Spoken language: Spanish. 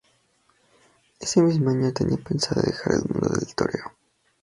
Ese mismo año tenía pensado dejar el mundo del toreo.